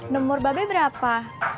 nomor babi berapa